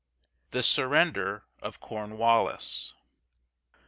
THE SURRENDER OF CORNWALLIS.